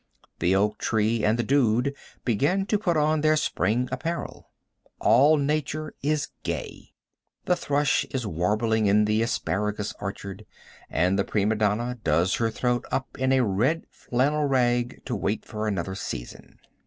The oak tree and the dude begin to put on their spring apparel. All nature is gay. The thrush is warbling in the asparagus orchard, and the prima donna does her throat up in a red flannel rag to wait for another season.